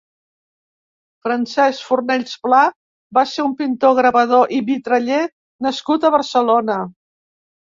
Francesc Fornells-Pla va ser un pintor, gravador i vitraller nascut a Barcelona.